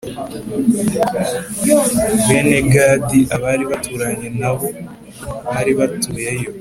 Bene Gadi a bari baturanye na bo bari batuye yo